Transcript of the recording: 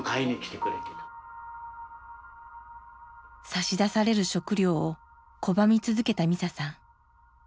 差し出される食料を拒み続けたミサさん。